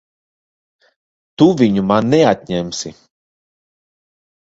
Tu viņu man neatņemsi!